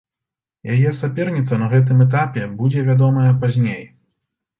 Яе саперніца на гэтым этапе будзе вядомая пазней.